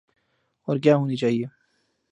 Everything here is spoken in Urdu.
اورکیا ہونی چاہیے۔